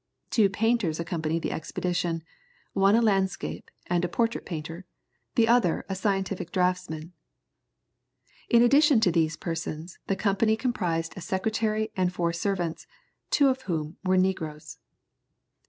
Two painters accompanied the expedition, one a landscape and portrait painter, the other a scientific draughtsman. In addition to these persons, the company comprised a secretary and four servants, two of whom were negroes.